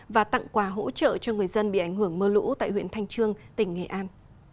và tặng quà hỗ trợ cho người dân bị ảnh hưởng mơ lũ tại huyện thanh trương tỉnh nghệ an